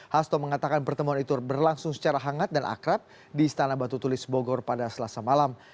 hasto mengatakan pertemuan itu berlangsung secara hangat dan akrab di istana batu tulis bogor pada selasa malam